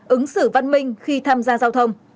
ứng xử văn minh khi tham gia giao thông